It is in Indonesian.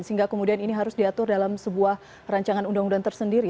sehingga kemudian ini harus diatur dalam sebuah rancangan undang undang tersendiri